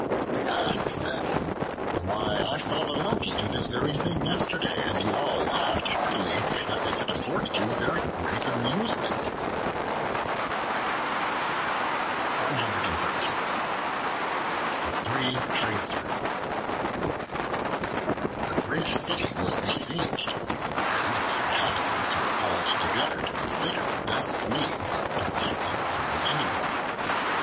The Ass said, "Why, I saw the Monkey do this very thing yesterday, and you all laughed heartily, as if it afforded you very great amusement." The Three Tradesmen A GREAT CITY was besieged, and its inhabitants were called together to consider the best means of protecting it from the enemy.